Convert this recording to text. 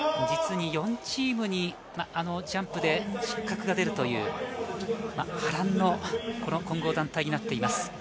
実に４チームにジャンプで失格が出るという波乱の混合団体になっています。